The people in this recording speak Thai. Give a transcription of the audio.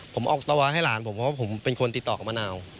ผมออกสตาวาให้หลานผมเพราะว่าผมเป็นคนติดต่อกับมะนาว